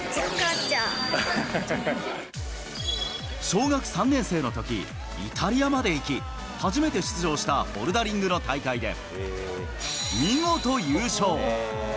小学３年生のとき、イタリアまで行き、初めて出場したボルダリングの大会で、見事優勝。